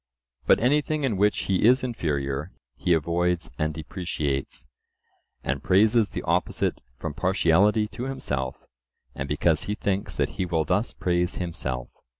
but anything in which he is inferior, he avoids and depreciates, and praises the opposite from partiality to himself, and because he thinks that he will thus praise himself.